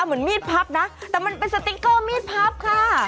เหมือนมีดพับนะแต่มันเป็นสติ๊กเกอร์มีดพับค่ะ